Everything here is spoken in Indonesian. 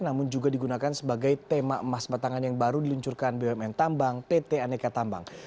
namun juga digunakan sebagai tema emas batangan yang baru diluncurkan bumn tambang pt aneka tambang